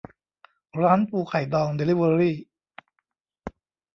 ร้านปูไข่ดองเดลิเวอรี่